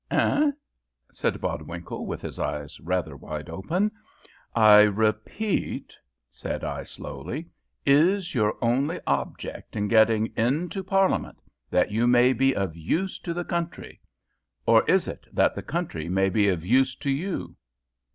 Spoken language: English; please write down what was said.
"Eh!" said Bodwinkle, with his eyes rather wide open. "I repeat," said I, slowly, "Is your only object in getting into Parliament that you may be of use to the country? or is it that the country may be of use to you?"